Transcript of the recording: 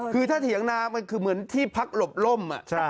คือถ้าเถียงนามันคือเหมือนที่พักหลบล่ม